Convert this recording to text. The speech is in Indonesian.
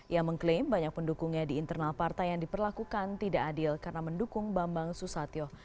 ia mengklaim banyak pendukungnya di internal partai yang diperlakukan tidak adil karena mendukung bambang susatyo